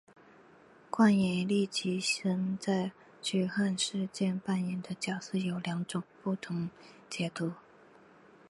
关于黎吉生在驱汉事件扮演的角色有两种不同解读。